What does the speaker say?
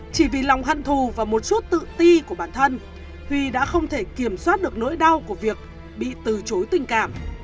chỉ vì lòng hận thù và một chút tự ti của bản thân huy đã không thể kiểm soát được nỗi đau của việc bị từ chối tình cảm